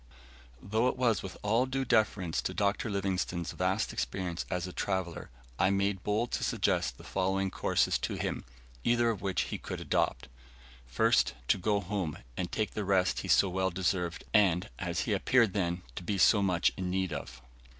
Though it was with all due deference to Dr. Livingstone's vast experience as a traveller, I made bold to suggest the following courses to him, either of which he could adopt: Ist. To go home, and take the rest he so well deserved and, as he appeared then, to be so much in need of.